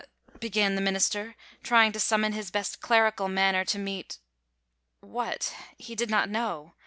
began the minister, trying to summon his best clerical manner to meet what? He did not know.